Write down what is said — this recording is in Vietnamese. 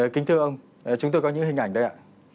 kính thưa ông chúng tôi có những hình ảnh đấy ạ